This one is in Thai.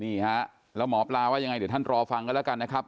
นี่ฮะแล้วหมอปลาว่ายังไงเดี๋ยวท่านรอฟังกันแล้วกันนะครับ